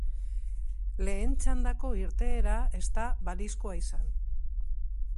Lehen txandako irteera ez da balizkoa izan.